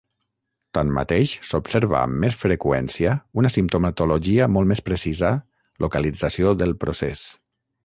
Tanmateix, s'observa amb més freqüència una simptomatologia molt més precisa localització del procés.